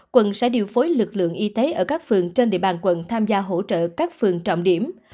quận sẽ điều phối lực lượng y tế ở các phường trên địa bàn quận tham gia hỗ trợ các phường trọng điểm